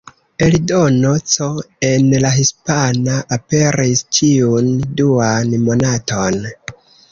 Eldono C, en la hispana, aperis ĉiun duan monaton.